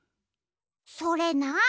それなに？